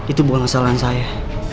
itu bukan kesalahan saya